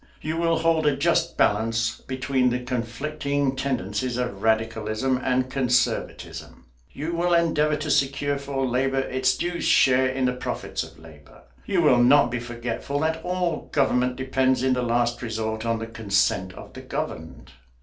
You will hold a just balance between the conflicting tendencies of radicalism and conservatism. You will endeavour to secure for labour its due share in the profits of labour. You will not be forgetful that all government depends in the last resort on the consent of the governed.